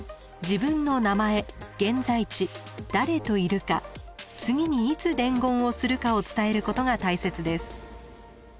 自分の名前現在地誰といるか次にいつ伝言をするかを伝えることが大切です。